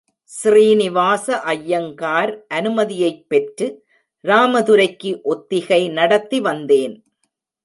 ஸ்ரீனிவாச ஐயங்கார் அனுமதியைப் பெற்று, ராமதுரைக்கு ஒத்திகை நடத்தி வந்தேன்.